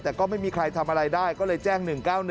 แต่ก็ไม่มีใครทำอะไรได้ก็เลยแจ้ง๑๙๑